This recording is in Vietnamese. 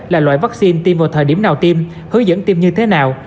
là loại vaccine tiêm vào thời điểm nào tiêm hướng dẫn tiêm như thế nào